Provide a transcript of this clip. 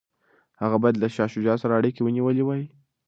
هغه باید له شاه شجاع سره اړیکي ونیولي وای.